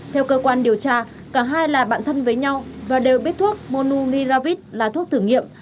theo cơ quan điều tra cả hai là bạn thân với nhau và đều biết thuốc monu niravit là thuốc thử nghiệm